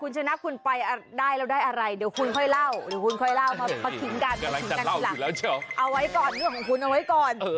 เอาไว้ก่อนเรื่องของคุณเอาไว้ก่อน